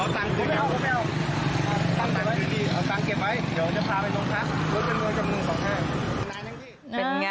เอาสั่งเก็บไว้เดี๋ยวเราจะพาไว้น้องค้า